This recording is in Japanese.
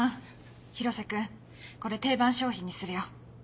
広瀬君これ定番商品にするよ。